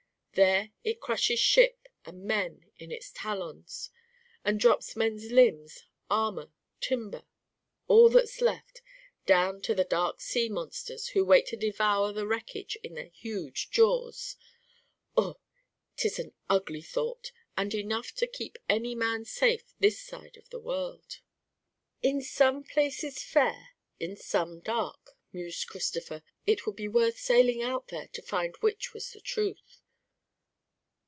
There it crushes ship and men in its talons, and drops men's limbs, armor, timber, all that's left, down to the Dark Sea monsters who wait to devour the wreckage in their huge jaws. Ugh, 'tis an ugly thought, and enough to keep any man safe this side the world." "In some places fair, in some dark," mused Christopher. "It would be worth sailing out there to find which was the truth."